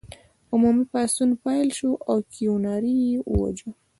عمومي پاڅون پیل شو او کیوناري یې وواژه.